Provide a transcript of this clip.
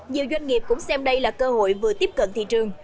nhiều doanh nghiệp cũng xem đây là cơ hội vừa tiếp cận thị trường